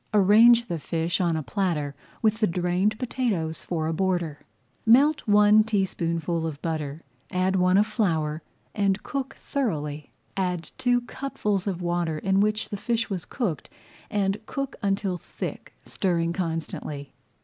Arrange the fish on a platter with the drained potatoes for a border. Melt one teaspoonful of butter, add one of flour, and cook thoroughly. Add two cupfuls of water in which the fish was cooked and cook until thick, stirring constantly.